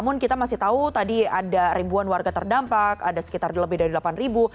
dan kita masih tahu tadi ada ribuan warga terdampak ada sekitar lebih dari delapan ribu